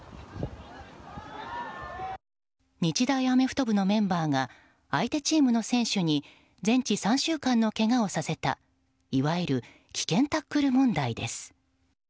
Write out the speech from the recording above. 日大アメフト部のメンバーが相手チームの選手に全治３週間のけがをさせたいわゆる危険タックル問題です。